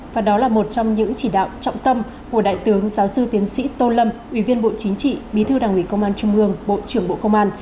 và đó là một trong những chỉ đạo trọng tâm của đại tướng giáo sư tiến sĩ tô lâm ủy viên bộ chính trị bí thư đảng ủy công an trung ương bộ trưởng bộ công an